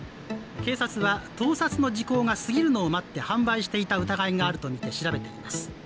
警察は盗撮の時効が過ぎるのを待って販売していた疑いがあるとみています。